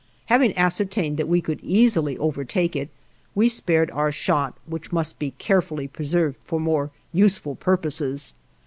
Having ascertained that we could easily overtake it, we spared our shot, which must be carefully preserved for more useful purposes.